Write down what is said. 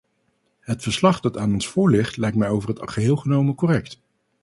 Het verslag dat aan ons voorligt lijkt mij over het geheel genomen correct.